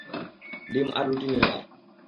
ডিম আর রুটি নিয়ে আয়।